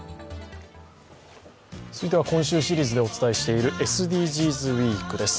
続いては今週シリーズでお伝えしているＳＤＧｓウイークです。